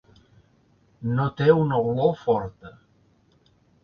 No té una olor forta.